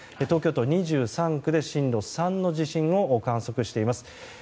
東京都２３区で震度３の地震を観測しています。